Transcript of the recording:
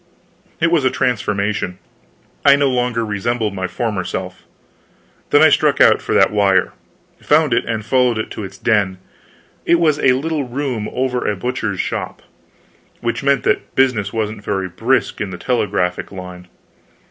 It was a transformation. I no longer resembled my former self. Then I struck out for that wire, found it and followed it to its den. It was a little room over a butcher's shop which meant that business wasn't very brisk in the telegraphic line.